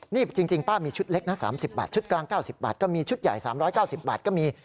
นี่จริงป้ามีชุดเล็กนะ๓๐บาทชุดกลาง๙๐บาทก็มีชุดใหญ่๓๙๐บาทก็มี